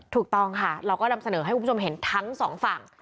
ถูกต้องค่ะเราก็นำเสนอให้คุณผู้ชมเห็นทั้งสองฝั่ง